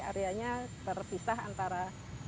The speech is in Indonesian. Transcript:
areanya terpisah antara